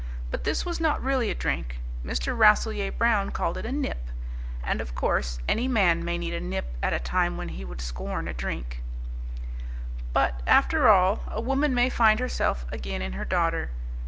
But this was not really a drink. Mr. Rasselyer Brown called it a nip; and of course any man may need a nip at a time when he would scorn a drink. But after all, a woman may find herself again in her daughter.